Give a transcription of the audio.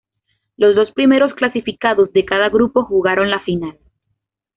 Los dos primeros clasificados de cada grupo jugaron la Final.